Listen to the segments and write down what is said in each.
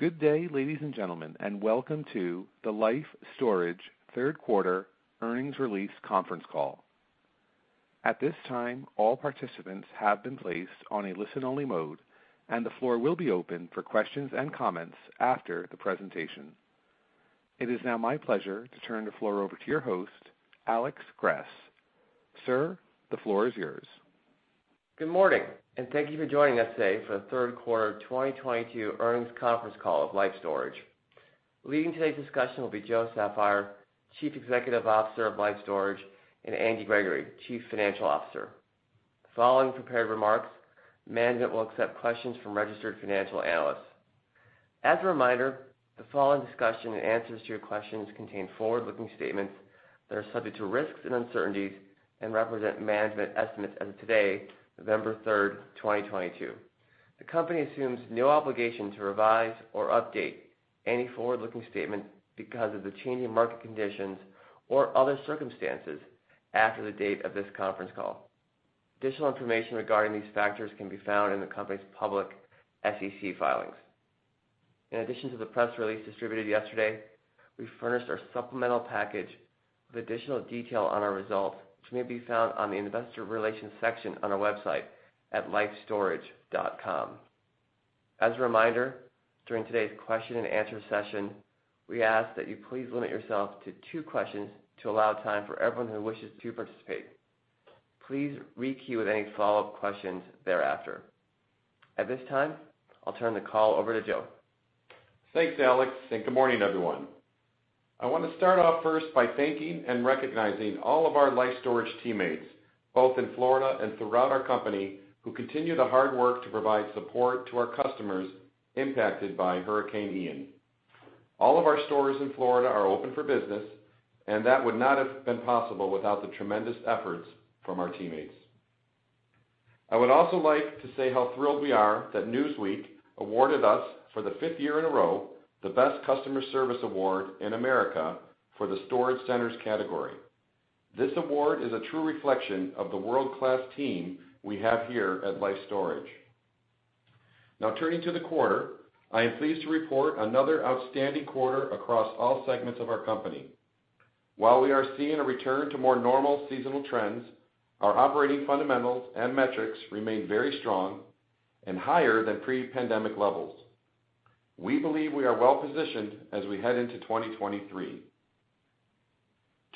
Good day, ladies and gentlemen, and welcome to the Life Storage Third Quarter Earnings Release Conference Call. At this time, all participants have been placed on a listen-only mode, and the floor will be open for questions and comments after the presentation. It is now my pleasure to turn the floor over to your host, Alex Gress. Sir, the floor is yours. Good morning, and thank you for joining us today for the third quarter of 2022 earnings conference call of Life Storage. Leading today's discussion will be Joe Saffire, Chief Executive Officer of Life Storage, and Andy Gregoire, Chief Financial Officer. Following prepared remarks, management will accept questions from registered financial analysts. As a reminder, the following discussion and answers to your questions contain forward-looking statements that are subject to risks and uncertainties and represent management estimates as of today, November 3rd, 2022. The company assumes no obligation to revise or update any forward-looking statements because of the changing market conditions or other circumstances after the date of this conference call. Additional information regarding these factors can be found in the company's public SEC filings. In addition to the press release distributed yesterday, we furnished our supplemental package with additional detail on our results, which may be found on the Investor Relations section on our website at lifestorage.com. As a reminder, during today's question and answer session, we ask that you please limit yourself to two questions to allow time for everyone who wishes to participate. Please re-queue with any follow-up questions thereafter. At this time, I'll turn the call over to Joe. Thanks, Alex, and good morning, everyone. I want to start off first by thanking and recognizing all of our Life Storage teammates, both in Florida and throughout our company, who continue the hard work to provide support to our customers impacted by Hurricane Ian. All of our stores in Florida are open for business, and that would not have been possible without the tremendous efforts from our teammates. I would also like to say how thrilled we are that Newsweek awarded us, for the fifth year in a row, The Best Customer Service Award in America for the storage centers category. This award is a true reflection of the world-class team we have here at Life Storage. Now turning to the quarter, I am pleased to report another outstanding quarter across all segments of our company. While we are seeing a return to more normal seasonal trends, our operating fundamentals and metrics remain very strong and higher than pre-pandemic levels. We believe we are well positioned as we head into 2023.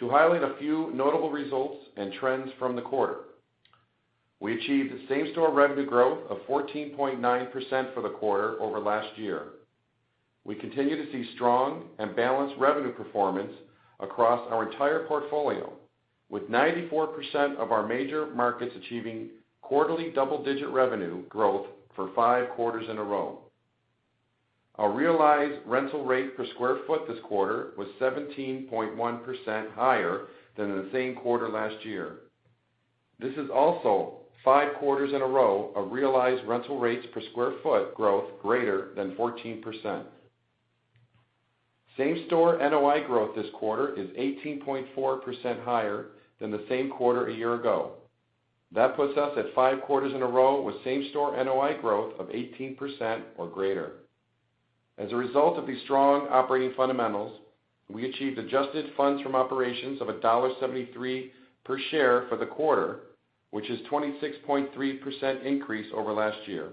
To highlight a few notable results and trends from the quarter, we achieved same-store revenue growth of 14.9% for the quarter over last year. We continue to see strong and balanced revenue performance across our entire portfolio, with 94% of our major markets achieving quarterly double-digit revenue growth for five quarters in a row. Our realized rental rate per square foot this quarter was 17.1% higher than the same quarter last year. This is also five quarters in a row of realized rental rates per square foot growth greater than 14%. Same-store NOI growth this quarter is 18.4% higher than the same quarter a year ago. That puts us at five quarters in a row with same-store NOI growth of 18% or greater. As a result of these strong operating fundamentals, we achieved adjusted funds from operations of $1.73 per share for the quarter, which is 26.3% increase over last year.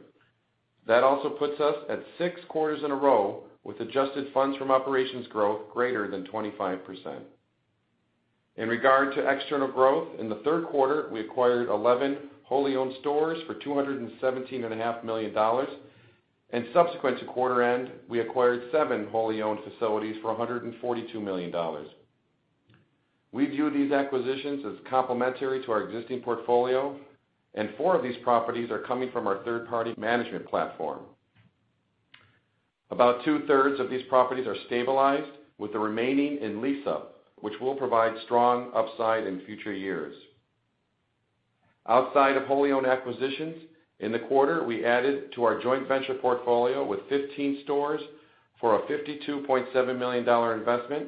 That also puts us at six quarters in a row with adjusted funds from operations growth greater than 25%. In regard to external growth, in the third quarter, we acquired 11 wholly owned stores for $217.5 million, and subsequent to quarter end, we acquired seven wholly owned facilities for $142 million. We view these acquisitions as complementary to our existing portfolio, and four of these properties are coming from our third-party management platform. About two-thirds of these properties are stabilized, with the remaining in lease up, which will provide strong upside in future years. Outside of wholly owned acquisitions, in the quarter, we added to our joint venture portfolio with 15 stores for a $52.7 million investment,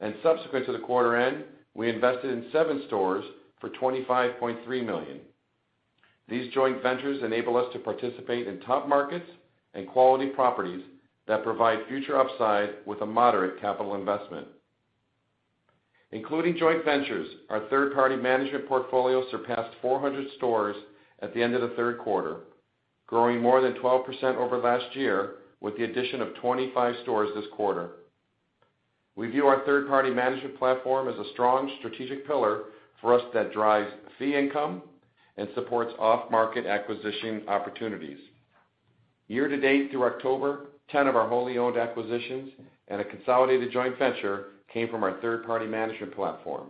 and subsequent to the quarter end, we invested in seven stores for $25.3 million. These joint ventures enable us to participate in top markets and quality properties that provide future upside with a moderate capital investment. Including joint ventures, our third-party management portfolio surpassed 400 stores at the end of the third quarter, growing more than 12% over last year with the addition of 25 stores this quarter. We view our third-party management platform as a strong strategic pillar for us that drives fee income and supports off-market acquisition opportunities. year-to-date through October, 10 of our wholly owned acquisitions and a consolidated joint venture came from our third-party management platform.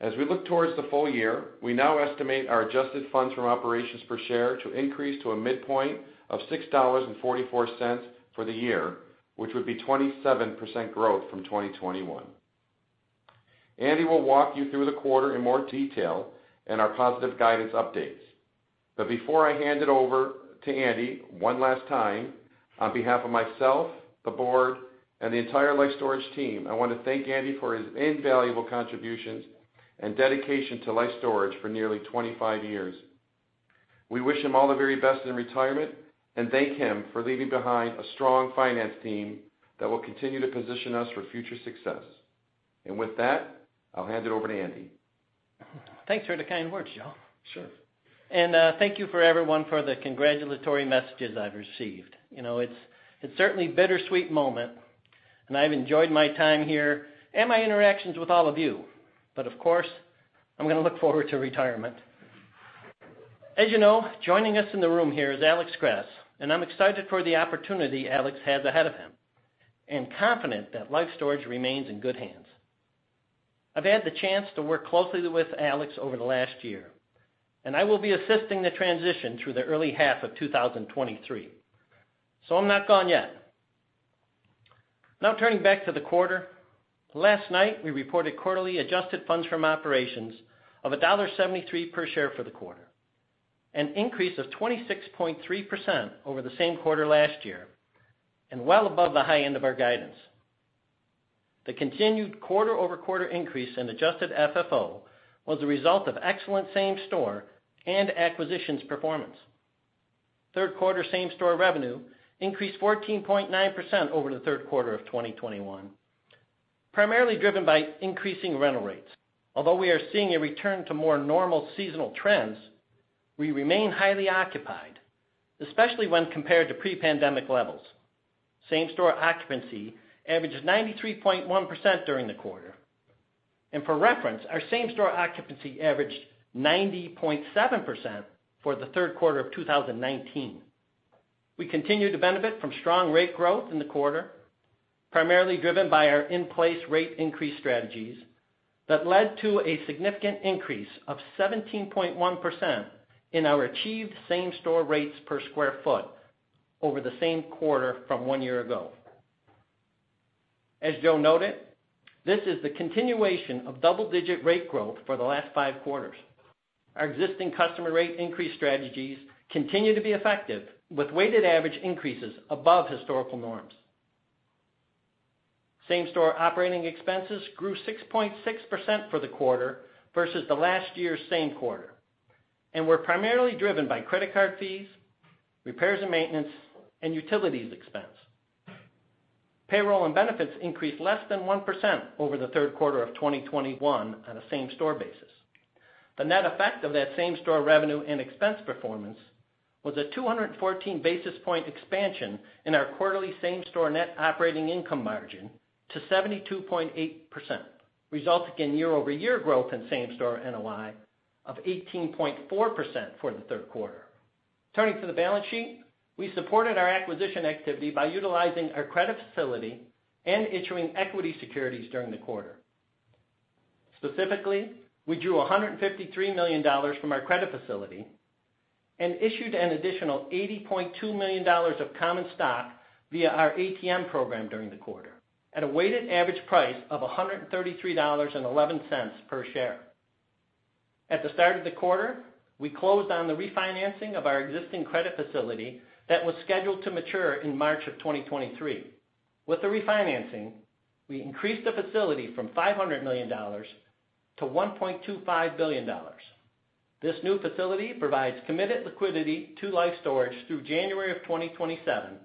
As we look towards the full year, we now estimate our adjusted funds from operations per share to increase to a midpoint of $6.44 for the year, which would be 27% growth from 2021. Andy will walk you through the quarter in more detail and our positive guidance updates. Before I hand it over to Andy one last time, on behalf of myself, the board, and the entire Life Storage team, I want to thank Andy for his invaluable contributions and dedication to Life Storage for nearly 25 years. We wish him all the very best in retirement, and thank him for leaving behind a strong finance team that will continue to position us for future success. With that, I'll hand it over to Andy. Thanks for the kind words, Joe. Sure. Thank you for everyone for the congratulatory messages I've received. You know, it's certainly bittersweet moment, and I've enjoyed my time here and my interactions with all of you. But of course, I'm gonna look forward to retirement. As you know, joining us in the room here is Alex Gress, and I'm excited for the opportunity Alex has ahead of him, and confident that Life Storage remains in good hands. I've had the chance to work closely with Alex over the last year, and I will be assisting the transition through the early half of 2023, so I'm not gone yet. Now, turning back to the quarter, last night, we reported quarterly adjusted funds from operations of $1.73 per share for the quarter. An increase of 26.3% over the same quarter last year, and well above the high end of our guidance. The continued quarter-over-quarter increase in adjusted FFO was a result of excellent same-store and acquisitions performance. Third quarter same-store revenue increased 14.9% over the third quarter of 2021, primarily driven by increasing rental rates. Although we are seeing a return to more normal seasonal trends, we remain highly occupied, especially when compared to pre-pandemic levels. Same-store occupancy averaged 93.1% during the quarter. For reference, our same-store occupancy averaged 90.7% for the third quarter of 2019. We continued to benefit from strong rate growth in the quarter, primarily driven by our in-place rate increase strategies that led to a significant increase of 17.1% in our achieved same-store rates per square foot over the same quarter from one year ago. As Joe noted, this is the continuation of double-digit rate growth for the last five quarters. Our existing customer rate increase strategies continue to be effective, with weighted average increases above historical norms. Same-store operating expenses grew 6.6% for the quarter versus the last year's same quarter, and were primarily driven by credit card fees, repairs and maintenance, and utilities expense. Payroll and benefits increased less than 1% over the third quarter of 2021 on a same-store basis. The net effect of that same-store revenue and expense performance was a 214 basis point expansion in our quarterly same-store net operating income margin to 72.8%, resulting in year-over-year growth in same-store NOI of 18.4% for the third quarter. Turning to the balance sheet. We supported our acquisition activity by utilizing our credit facility and issuing equity securities during the quarter. Specifically, we drew $153 million from our credit facility and issued an additional $80.2 million of common stock via our ATM program during the quarter at a weighted average price of $133.11 per share. At the start of the quarter, we closed on the refinancing of our existing credit facility that was scheduled to mature in March of 2023. With the refinancing, we increased the facility from $500 million-$1.25 billion. This new facility provides committed liquidity to Life Storage through January of 2027,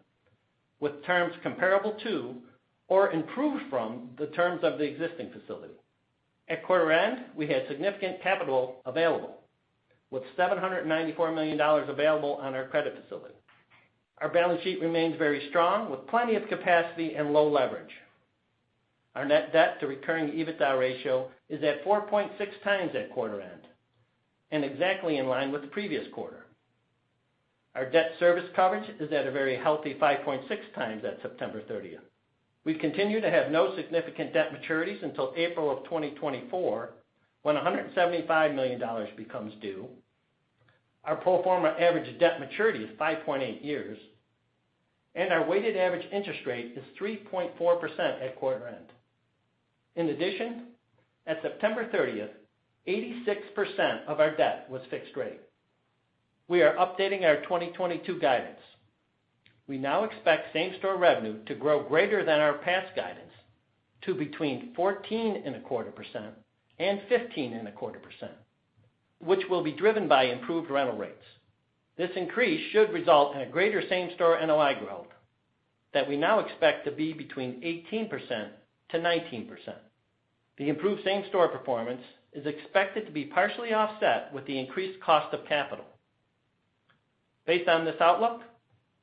with terms comparable to or improved from the terms of the existing facility. At quarter end, we had significant capital available with $794 million available on our credit facility. Our balance sheet remains very strong with plenty of capacity and low leverage. Our net debt to recurring EBITDA ratio is at 4.6x at quarter end, and exactly in line with the previous quarter. Our debt service coverage is at a very healthy 5.6x at September 30th. We continue to have no significant debt maturities until April of 2024, when $175 million becomes due. Our pro forma average debt maturity is 5.8 years, and our weighted average interest rate is 3.4% at quarter end. In addition, at September 30th, 86% of our debt was fixed rate. We are updating our 2022 guidance. We now expect same-store revenue to grow greater than our past guidance to between 14.25% and 15.25%, which will be driven by improved rental rates. This increase should result in a greater same-store NOI growth that we now expect to be between 18%-19%. The improved same-store performance is expected to be partially offset with the increased cost of capital. Based on this outlook,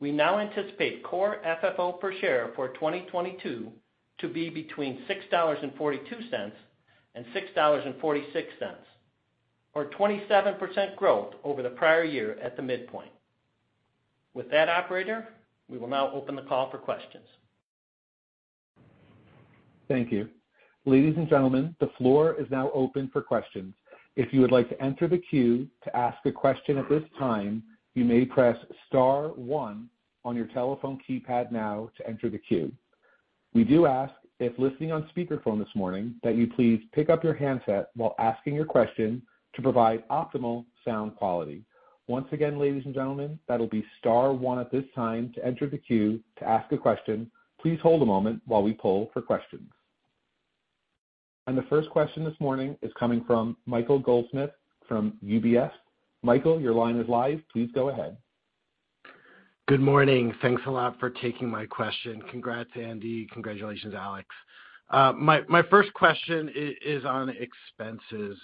we now anticipate Core FFO per share for 2022 to be between $6.42 and $6.46, or 27% growth over the prior year at the midpoint. With that, operator, we will now open the call for questions. Thank you. Ladies and gentlemen, the floor is now open for questions. If you would like to enter the queue to ask a question at this time, you may press star one on your telephone keypad now to enter the queue. We do ask, if listening on speaker phone this morning, that you please pick up your handset while asking your question to provide optimal sound quality. Once again, ladies and gentlemen, that'll be star one at this time to enter the queue to ask a question. Please hold a moment while we poll for questions. The first question this morning is coming from Michael Goldsmith from UBS. Michael, your line is live. Please go ahead. Good morning. Thanks a lot for taking my question. Congrats, Andy. Congratulations, Alex. My first question is on expenses.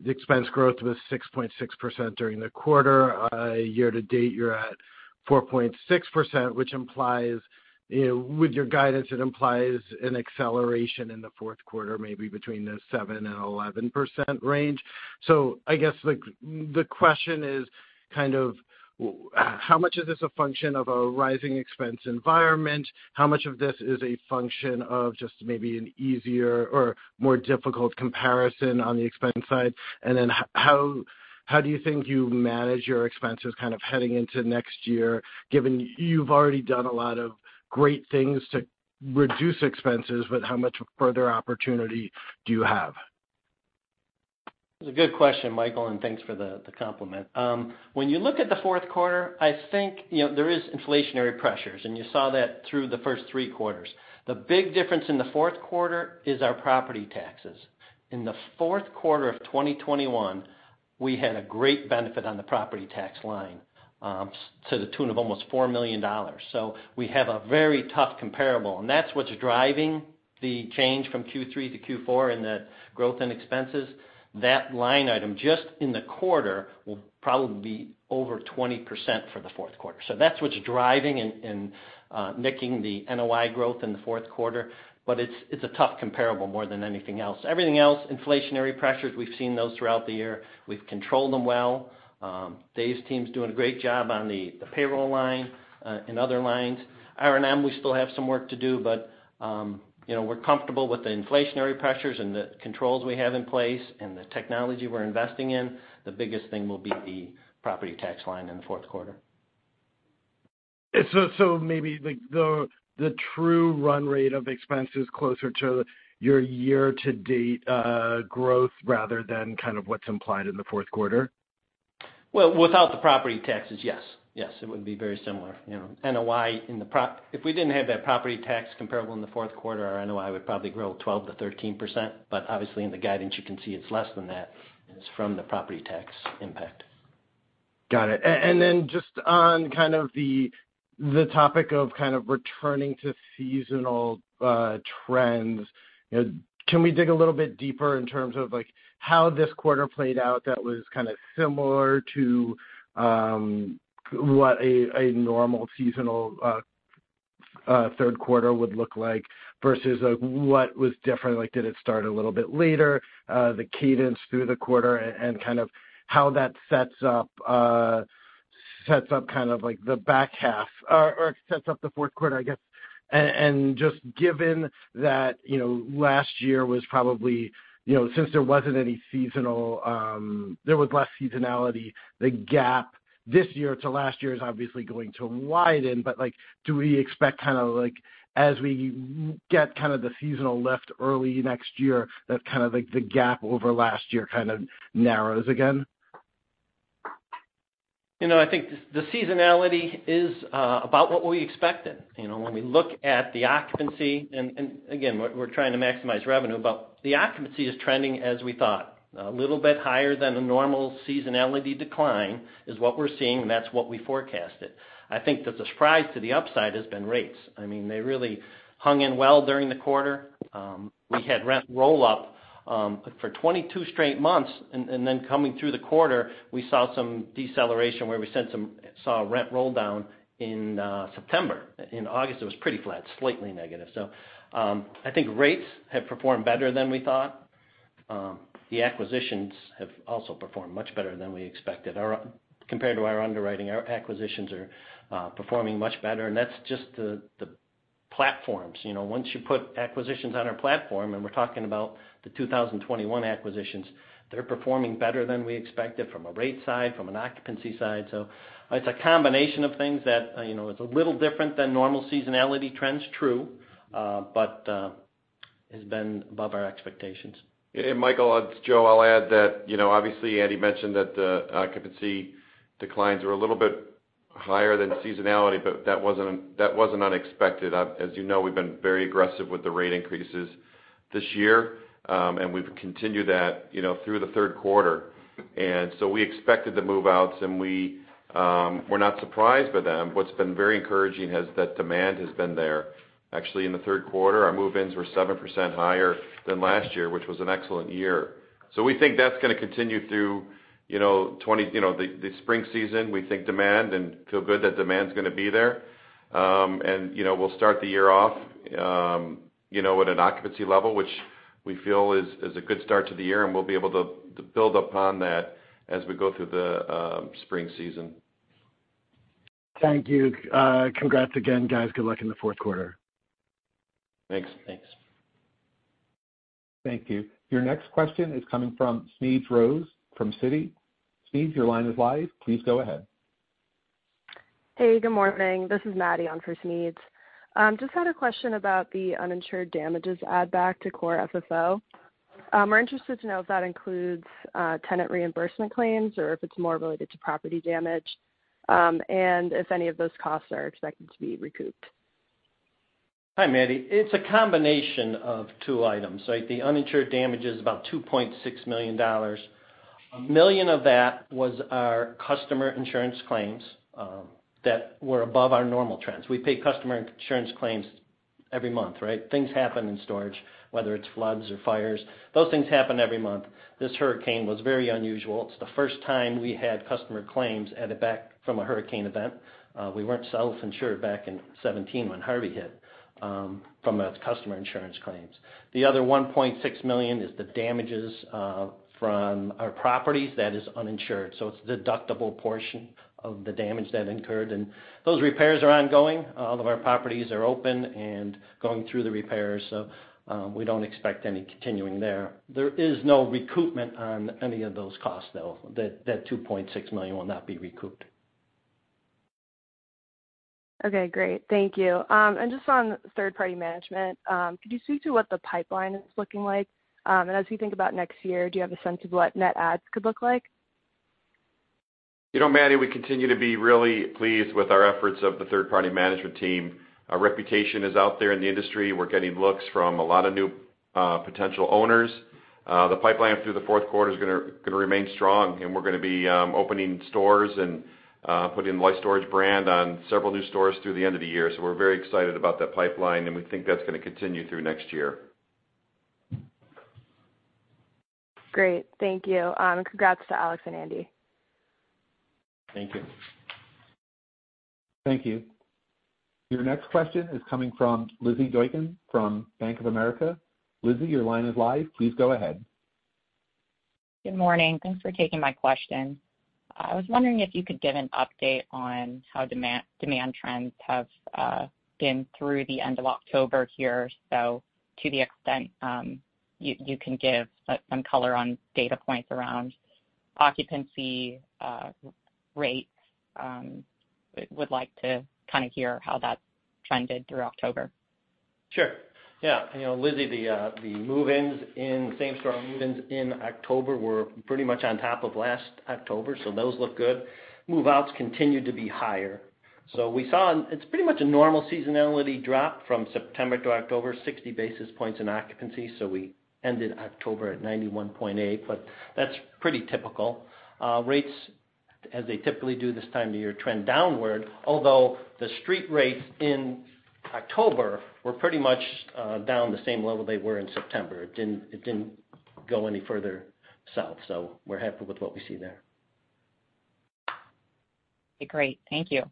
The expense growth was 6.6% during the quarter. Year-to-date, you're at 4.6%, which implies, you know, with your guidance, it implies an acceleration in the fourth quarter, maybe between the 7%-11% range. I guess the question is kind of how much is this a function of a rising expense environment? How much of this is a function of just maybe an easier or more difficult comparison on the expense side? Then how do you think you manage your expenses kind of heading into next year, given you've already done a lot of great things to reduce expenses, but how much further opportunity do you have? It's a good question, Michael, and thanks for the compliment. When you look at the fourth quarter, I think, you know, there is inflationary pressures, and you saw that through the first three quarters. The big difference in the fourth quarter is our property taxes. In the fourth quarter of 2021, we had a great benefit on the property tax line, to the tune of almost $4 million. We have a very tough comparable, and that's what's driving the change from Q3-Q4 in the growth and expenses. That line item, just in the quarter, will probably be over 20% for the fourth quarter. That's what's driving and nicking the NOI growth in the fourth quarter. It's a tough comparable more than anything else. Everything else, inflationary pressures, we've seen those throughout the year. We've controlled them well. Dave's team's doing a great job on the payroll line and other lines. R&M, we still have some work to do, but you know, we're comfortable with the inflationary pressures and the controls we have in place and the technology we're investing in. The biggest thing will be the property tax line in the fourth quarter. Maybe like the true run rate of expenses closer to your year-to-date growth rather than kind of what's implied in the fourth quarter? Well, without the property taxes, yes. Yes, it would be very similar. You know, if we didn't have that property tax comparable in the fourth quarter, our NOI would probably grow 12%-13%. But obviously in the guidance you can see it's less than that, and it's from the property tax impact. Got it. Just on kind of the topic of kind of returning to seasonal trends, you know, can we dig a little bit deeper in terms of like how this quarter played out that was kind of similar to what a normal seasonal third quarter would look like versus like what was different? Like did it start a little bit later the cadence through the quarter and kind of how that sets up kind of like the back half or sets up the fourth quarter, I guess. Just given that, you know, last year was probably, you know, since there wasn't any seasonal, there was less seasonality, the gap this year to last year is obviously going to widen, but like, do we expect kind of like as we get kind of the seasonal lift early next year, that kind of like the gap over last year kind of narrows again? You know, I think the seasonality is about what we expected. You know, when we look at the occupancy, and again, we're trying to maximize revenue, but the occupancy is trending as we thought. A little bit higher than the normal seasonality decline is what we're seeing, and that's what we forecasted. I think that the surprise to the upside has been rates. I mean, they really hung in well during the quarter. We had rent roll up for 22 straight months, and then coming through the quarter, we saw some deceleration where we saw rent roll down in September. In August, it was pretty flat, slightly negative. I think rates have performed better than we thought. The acquisitions have also performed much better than we expected. Compared to our underwriting, our acquisitions are performing much better, and that's just the platforms. You know, once you put acquisitions on our platform, and we're talking about the 2021 acquisitions, they're performing better than we expected from a rate side, from an occupancy side. So it's a combination of things that, you know, it's a little different than normal seasonality trends, true, but has been above our expectations. Michael, it's Joe. I'll add that, you know, obviously Andy mentioned that the occupancy declines were a little bit higher than seasonality, but that wasn't unexpected. As you know, we've been very aggressive with the rate increases this year, and we've continued that, you know, through the third quarter. We expected the move-outs and we're not surprised by them. What's been very encouraging is that demand has been there. Actually, in the third quarter, our move-ins were 7% higher than last year, which was an excellent year. We think that's gonna continue through, you know, the spring season. We think demand and feel good that demand's gonna be there. You know, we'll start the year off, you know, at an occupancy level, which we feel is a good start to the year, and we'll be able to build upon that as we go through the spring season. Thank you. Congrats again, guys. Good luck in the fourth quarter. Thanks. Thanks. Thank you. Your next question is coming from Smedes Rose from Citi. Smedes, your line is live. Please go ahead. Hey, good morning. This is Maddy on for Smedes. Just had a question about the uninsured damages add back to Core FFO. We're interested to know if that includes tenant reimbursement claims or if it's more related to property damage, and if any of those costs are expected to be recouped. Hi, Maddy. It's a combination of two items, right? The uninsured damage is about $2.6 million. $1 million of that was our customer insurance claims that were above our normal trends. We pay customer insurance claims every month, right? Things happen in storage, whether it's floods or fires. Those things happen every month. This hurricane was very unusual. It's the first time we had customer claims at the back from a hurricane event. We weren't self-insured back in 2017 when Harvey hit, from a customer insurance claims. The other $1.6 million is the damages from our properties that is uninsured, so it's deductible portion of the damage that incurred. Those repairs are ongoing. All of our properties are open and going through the repairs, so we don't expect any continuing there. There is no recoupment on any of those costs, though, that $2.6 million will not be recouped. Okay, great. Thank you. Just on third-party management, could you speak to what the pipeline is looking like? As you think about next year, do you have a sense of what net adds could look like? You know, Maddy, we continue to be really pleased with our efforts of the third-party management team. Our reputation is out there in the industry. We're getting looks from a lot of new potential owners. The pipeline through the fourth quarter is gonna remain strong, and we're gonna be opening stores and putting Life Storage brand on several new stores through the end of the year. We're very excited about that pipeline, and we think that's gonna continue through next year. Great. Thank you. Congrats to Alex and Andy. Thank you. Thank you. Your next question is coming from Lizzy Doykan from Bank of America. Lizzy, your line is live. Please go ahead. Good morning. Thanks for taking my question. I was wondering if you could give an update on how demand trends have been through the end of October here. To the extent you can give some color on data points around occupancy rates, would like to kind of hear how that trended through October. Sure. Yeah. You know, Lizzy, the move-ins in same-store move-ins in October were pretty much on top of last October, so those look good. Move-outs continue to be higher. We saw it's pretty much a normal seasonality drop from September to October, 60 basis points in occupancy, so we ended October at 91.8, but that's pretty typical. Rates, as they typically do this time of year, trend downward, although the street rates in October were pretty much down the same level they were in September. It didn't go any further south, so we're happy with what we see there. Great. Thank you.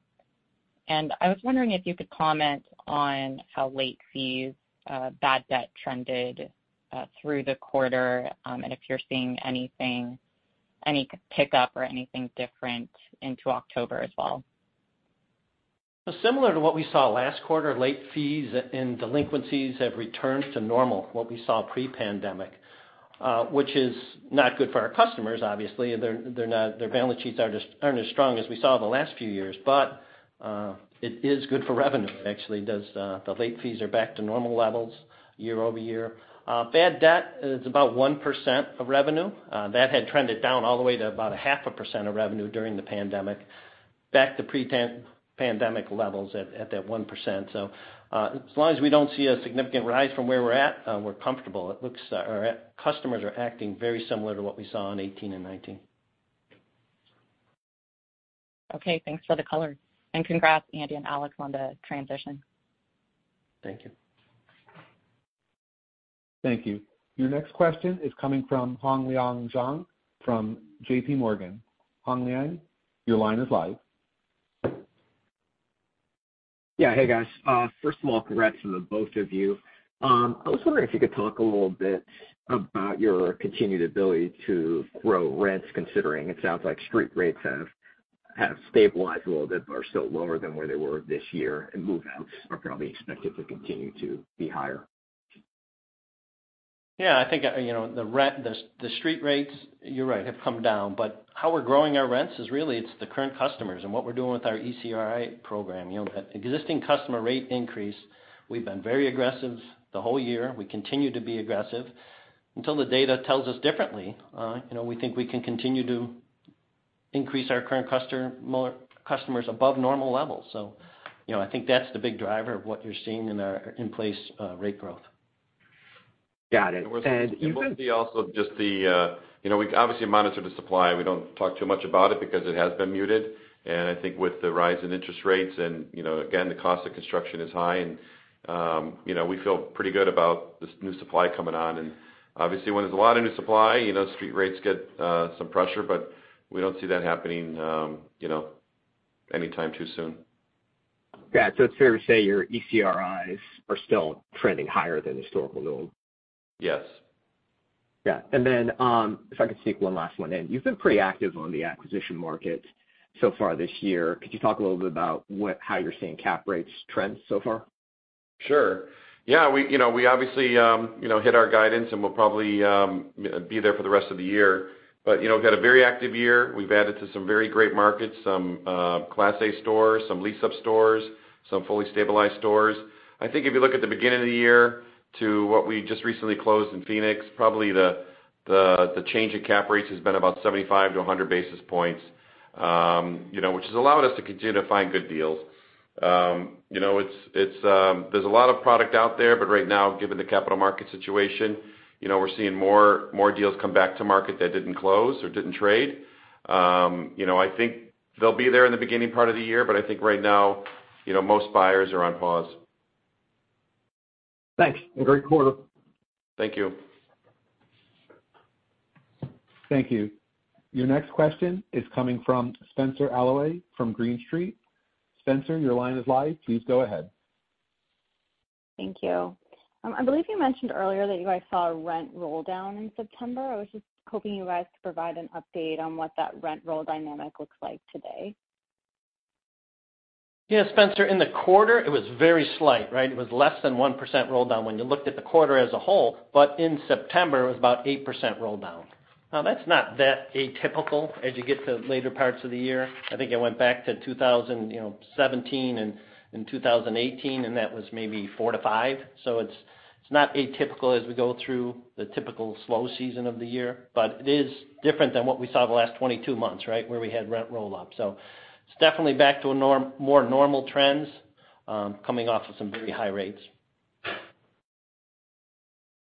I was wondering if you could comment on how late fees, bad debt trended through the quarter, and if you're seeing anything, any pickup or anything different into October as well. Similar to what we saw last quarter, late fees and delinquencies have returned to normal, what we saw pre-pandemic, which is not good for our customers, obviously. Their balance sheets aren't as strong as we saw the last few years. It is good for revenue. Actually, the late fees are back to normal levels year over year. Bad debt is about 1% of revenue. That had trended down all the way to about 0.5% of revenue during the pandemic, back to pre-pandemic levels at that 1%. As long as we don't see a significant rise from where we're at, we're comfortable. It looks like our customers are acting very similar to what we saw in 2018 and 2019. Okay, thanks for the color, and congrats, Andy and Alex, on the transition. Thank you. Thank you. Your next question is coming from Hong Liang Zhang from JPMorgan. Hong Liang, your line is live. Yeah. Hey, guys. First of all, congrats to the both of you. I was wondering if you could talk a little bit about your continued ability to grow rents, considering it sounds like street rates have stabilized a little bit, but are still lower than where they were this year and move-outs are probably expected to continue to be higher. Yeah. I think, you know, the street rates, you're right, have come down. How we're growing our rents is really it's the current customers and what we're doing with our ECRI program. You know, that existing customer rate increase, we've been very aggressive the whole year. We continue to be aggressive. Until the data tells us differently, you know, we think we can continue to increase our current customers above normal levels. I think that's the big driver of what you're seeing in our in-place rate growth. Got it. We'll see also just the, you know, we obviously monitor the supply. We don't talk too much about it because it has been muted. I think with the rise in interest rates and, you know, again, the cost of construction is high and, you know, we feel pretty good about this new supply coming on. Obviously, when there's a lot of new supply, you know, street rates get some pressure, but we don't see that happening, you know, anytime too soon. Got it. It's fair to say your ECRI are still trending higher than historical norms? Yes. Yeah. If I could sneak one last one in. You've been pretty active on the acquisition market so far this year. Could you talk a little bit about how you're seeing cap rates trends so far? Sure. Yeah, we, you know, we obviously, you know, hit our guidance, and we'll probably be there for the rest of the year. You know, we've had a very active year. We've added to some very great markets, some class A stores, some lease-up stores, some fully stabilized stores. I think if you look at the beginning of the year to what we just recently closed in Phoenix, probably the change in cap rates has been about 75-100 basis points, you know, which has allowed us to continue to find good deals. You know, there's a lot of product out there, but right now, given the capital market situation, you know, we're seeing more deals come back to market that didn't close or didn't trade. You know, I think they'll be there in the beginning part of the year, but I think right now, you know, most buyers are on pause. Thanks. Have a great quarter. Thank you. Thank you. Your next question is coming from Spenser Allaway from Green Street. Spenser, your line is live. Please go ahead. Thank you. I believe you mentioned earlier that you guys saw a rent roll down in September. I was just hoping you guys could provide an update on what that rent roll dynamic looks like today. Yeah, Spenser, in the quarter, it was very slight, right? It was less than 1% roll down when you looked at the quarter as a whole, but in September, it was about 8% roll down. Now that's not that atypical as you get to later parts of the year. I think it went back to, you know, 2017 and 2018, and that was maybe 4%-5%. It's not atypical as we go through the typical slow season of the year, but it is different than what we saw the last 22 months, right? Where we had rent roll up. It's definitely back to normal, more normal trends, coming off of some very high rates.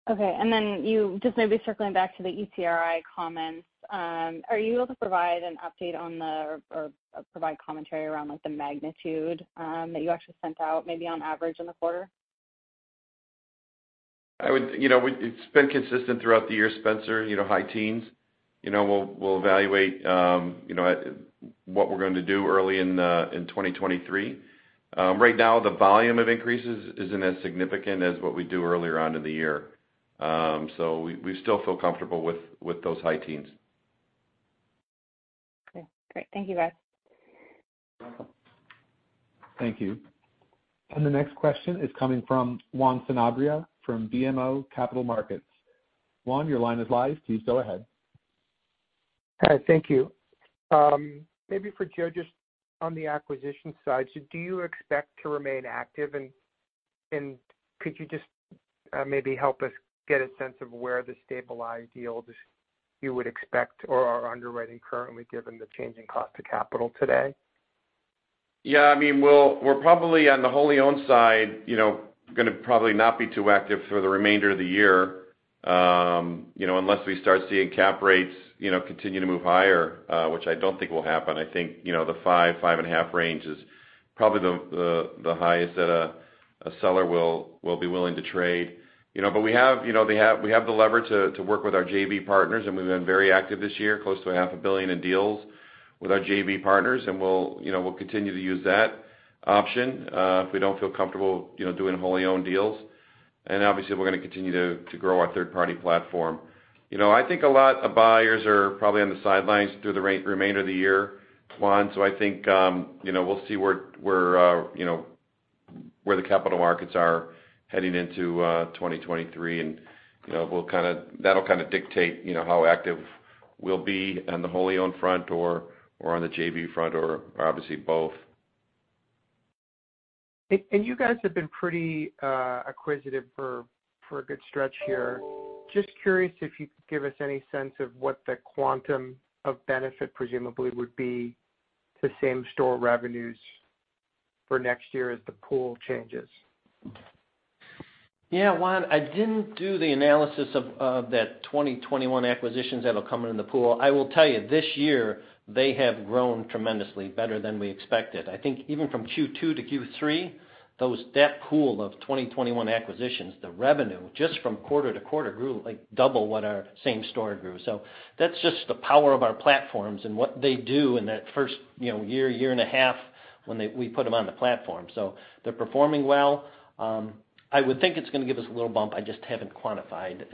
You just maybe circling back to the ECRI comments, are you able to provide commentary around like the magnitude that you actually sent out maybe on average in the quarter? It's been consistent throughout the year, Spenser, you know, high teens. You know, we'll evaluate what we're going to do early in 2023. Right now, the volume of increases isn't as significant as what we do earlier on in the year. We still feel comfortable with those high teens. Okay, great. Thank you, guys. Thank you. The next question is coming from Juan Sanabria from BMO Capital Markets. Juan, your line is live. Please go ahead. Hi, thank you. Maybe for Joe, just on the acquisition side, do you expect to remain active and could you just maybe help us get a sense of where the stabilized yields you would expect or are underwriting currently given the changing cost of capital today? Yeah. I mean, we're probably on the wholly owned side, you know, gonna probably not be too active for the remainder of the year, you know, unless we start seeing cap rates, you know, continue to move higher, which I don't think will happen. I think, you know, the 5-5.5 range is probably the highest that a seller will be willing to trade. You know, but we have, you know, we have the lever to work with our JV partners, and we've been very active this year, close to $0.5 billion in deals with our JV partners, and we'll, you know, continue to use that option, if we don't feel comfortable, you know, doing wholly owned deals. Obviously, we're gonna continue to grow our third-party platform. You know, I think a lot of buyers are probably on the sidelines through the remainder of the year, Juan, so I think, you know, we'll see where the capital markets are heading into 2023 and, you know, that'll kind of dictate, you know, how active we'll be on the wholly owned front or on the JV front or obviously both. You guys have been pretty acquisitive for a good stretch here. Just curious if you could give us any sense of what the quantum of benefit presumably would be to same-store revenues for next year as the pool changes. Yeah, Juan, I didn't do the analysis of that 2021 acquisitions that'll come into the pool. I will tell you, this year they have grown tremendously better than we expected. I think even from Q2-Q3, that pool of 2021 acquisitions, the revenue just from quarter to quarter grew like double what our same store grew. That's just the power of our platforms and what they do in that first, you know, year and a half when we put them on the platform. They're performing well. I would think it's gonna give us a little bump. I just haven't quantified.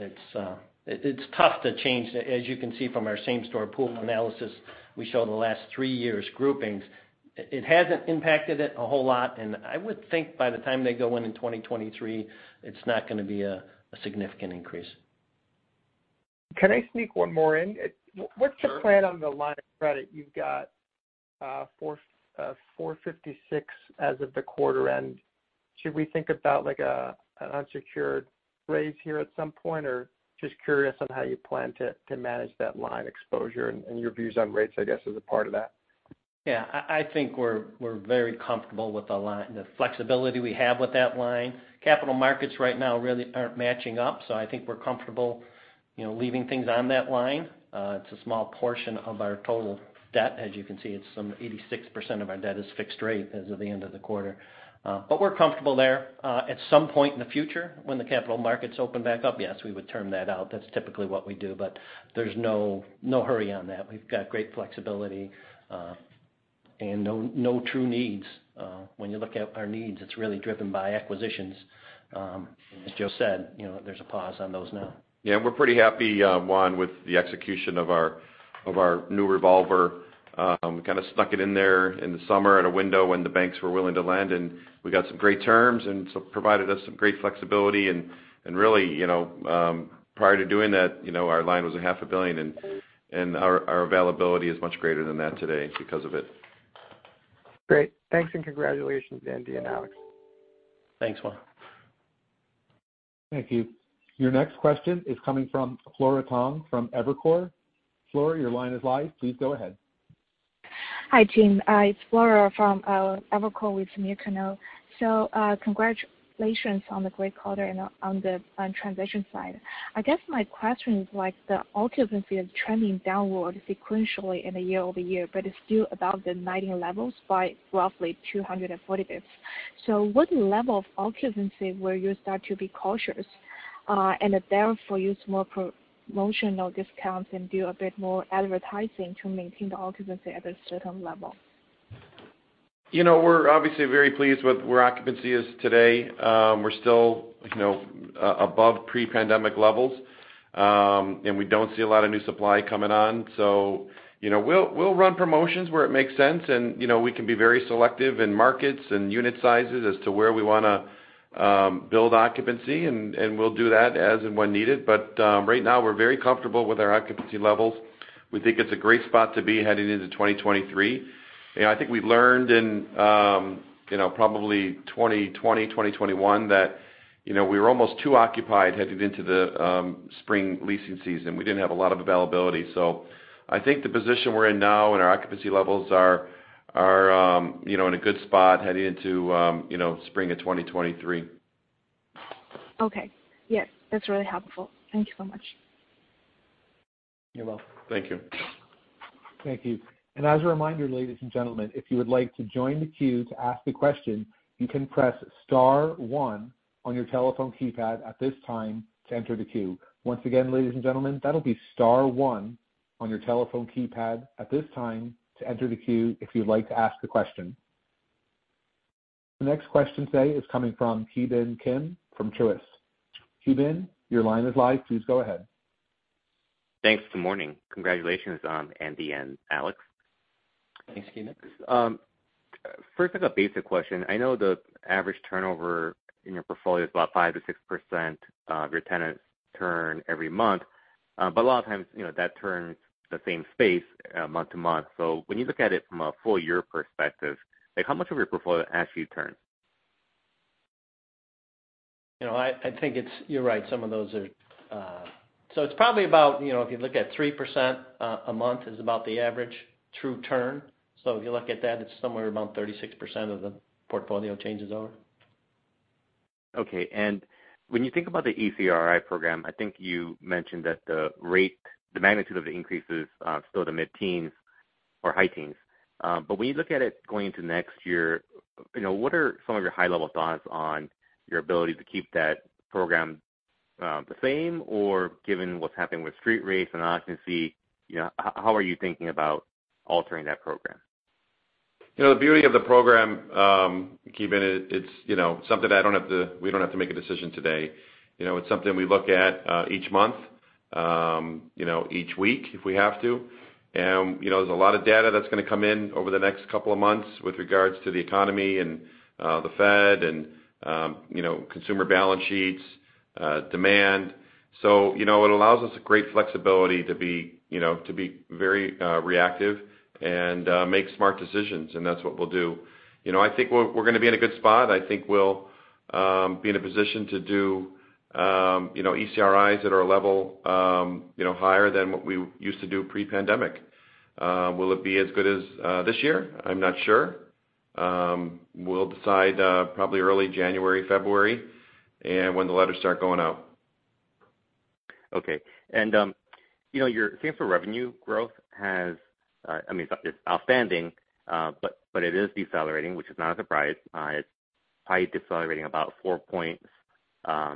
It's tough to change. As you can see from our same store pool analysis, we show the last three years groupings. It hasn't impacted it a whole lot, and I would think by the time they go in in 2023, it's not gonna be a significant increase. Can I sneak one more in? Sure. What's the plan on the line of credit you've got, $456 as of the quarter end? Should we think about like, an unsecured raise here at some point? Just curious on how you plan to manage that line exposure and your views on rates, I guess, as a part of that. Yeah. I think we're very comfortable with the line, the flexibility we have with that line. Capital markets right now really aren't matching up, so I think we're comfortable, you know, leaving things on that line. It's a small portion of our total debt. As you can see, it's some 86% of our debt is fixed rate as of the end of the quarter. But we're comfortable there. At some point in the future when the capital markets open back up, yes, we would term that out. That's typically what we do, but there's no hurry on that. We've got great flexibility, and no true needs. When you look at our needs, it's really driven by acquisitions. As Joe said, you know, there's a pause on those now. Yeah, we're pretty happy, Juan, with the execution of our new revolver. We kind of snuck it in there in the summer at a window when the banks were willing to lend, and we got some great terms and so provided us some great flexibility and really, you know, prior to doing that, you know, our line was half a billion and our availability is much greater than that today because of it. Great. Thanks and congratulations, Andy and Alex. Thanks, Juan. Thank you. Your next question is coming from Flora Tong from Evercore. Flora, your line is live. Please go ahead. Hi, team. It's Flora from Evercore. Congratulations on the great quarter and on the transition side. I guess my question is like the occupancy is trending downward sequentially and year-over-year, but it's still above the 90 levels by roughly 240 basis points. What level of occupancy will you start to be cautious and therefore use more promotional discounts and do a bit more advertising to maintain the occupancy at a certain level? You know, we're obviously very pleased with where occupancy is today. We're still, you know, above pre-pandemic levels. We don't see a lot of new supply coming on. You know, we'll run promotions where it makes sense and, you know, we can be very selective in markets and unit sizes as to where we wanna build occupancy, and we'll do that as and when needed. Right now we're very comfortable with our occupancy levels. We think it's a great spot to be heading into 2023. You know, I think we've learned in, you know, probably 2020, 2021, that, you know, we were almost too occupied heading into the spring leasing season. We didn't have a lot of availability. I think the position we're in now and our occupancy levels are you know in a good spot heading into you know spring of 2023. Okay. Yes, that's really helpful. Thank you so much. You're welcome. Thank you. Thank you. As a reminder, ladies and gentlemen, if you would like to join the queue to ask the question, you can press star one on your telephone keypad at this time to enter the queue. Once again, ladies and gentlemen, that'll be star one on your telephone keypad at this time to enter the queue if you'd like to ask the question. The next question today is coming from Ki Bin Kim from Truist. Ki Bin, your line is live. Please go ahead. Thanks. Good morning. Congratulations, Andy and Alex. Thanks, Ki Bin. First, as a basic question, I know the average turnover in your portfolio is about 5%-6% of your tenants turn every month. A lot of times, you know, that turns the same space, month to month. When you look at it from a full year perspective, like how much of your portfolio actually turns? You know, I think it's. You're right, some of those are. It's probably about, you know, if you look at 3% a month is about the average true turn. If you look at that, it's somewhere around 36% of the portfolio changes over. Okay. When you think about the ECRI program, I think you mentioned that the rate, the magnitude of the increase is still the mid-teens or high teens. But when you look at it going into next year, you know, what are some of your high-level thoughts on your ability to keep that program the same, or given what's happening with street rates and occupancy, you know, how are you thinking about altering that program? You know, the beauty of the program, Ki Bin, it's something we don't have to make a decision today. You know, it's something we look at each month, you know, each week if we have to. You know, there's a lot of data that's gonna come in over the next couple of months with regards to the economy and the Fed and, you know, consumer balance sheets, demand. So, you know, it allows us a great flexibility to be, you know, to be very reactive and make smart decisions, and that's what we'll do. You know, I think we're gonna be in a good spot. I think we'll be in a position to do, you know, ECRI at our level, you know, higher than what we used to do pre-pandemic. Will it be as good as this year? I'm not sure. We'll decide probably early January, February and when the letters start going out. Okay. You know, your same-store revenue growth has. I mean, it's outstanding, but it is decelerating, which is not a surprise. It's probably decelerating about 4 points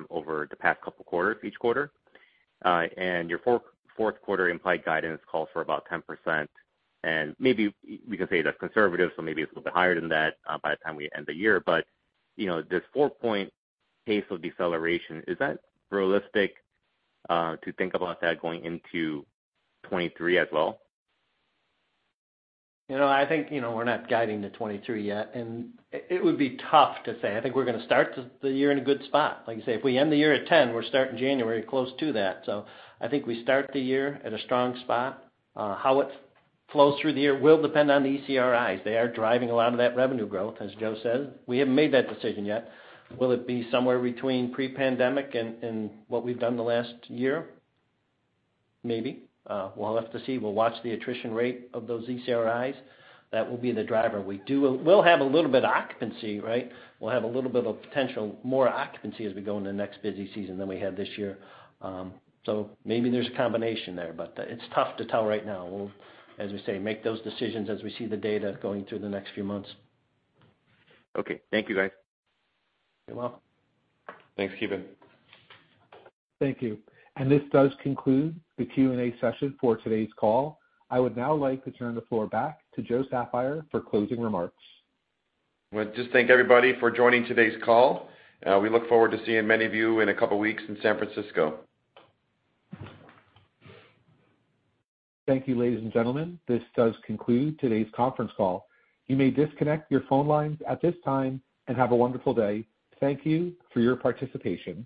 over the past couple quarters, each quarter. Your fourth quarter implied guidance calls for about 10%, and maybe we can say that's conservative, so maybe it's a little bit higher than that by the time we end the year. You know, this 4-point pace of deceleration, is that realistic to think about that going into 2023 as well? You know, I think, you know, we're not guiding to 2023 yet, and it would be tough to say. I think we're gonna start the year in a good spot. Like you say, if we end the year at 10%, we're starting January close to that. I think we start the year at a strong spot. How it flows through the year will depend on the ECRI. They are driving a lot of that revenue growth, as Joe said. We haven't made that decision yet. Will it be somewhere between pre-pandemic and what we've done the last year? Maybe. We'll have to see. We'll watch the attrition rate of those ECRI. That will be the driver. We'll have a little bit of occupancy, right? We'll have a little bit of potential more occupancy as we go in the next busy season than we had this year. Maybe there's a combination there, but it's tough to tell right now. We'll, as we say, make those decisions as we see the data going through the next few months. Okay. Thank you, guys. You're welcome. Thanks, Ki Bin. Thank you. This does conclude the Q&A session for today's call. I would now like to turn the floor back to Joe Saffire for closing remarks. I wanna just thank everybody for joining today's call. We look forward to seeing many of you in a couple weeks in San Francisco. Thank you, ladies and gentlemen. This does conclude today's conference call. You may disconnect your phone lines at this time, and have a wonderful day. Thank you for your participation.